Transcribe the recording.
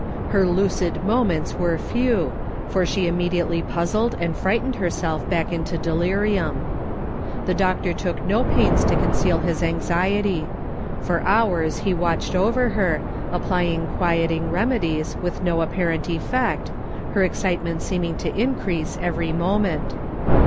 Her lucid moments were few, for she immediately puzzled and frightened herself back into delirium. The doctor took no pains to conceal his anxiety. For hours he watched over her, applying quieting remedies with no apparent effect, her excitement seeming to increase every moment.